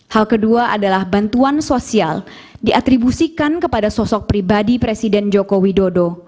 hal kedua adalah bantuan sosial diatribusikan kepada sosok pribadi presiden joko widodo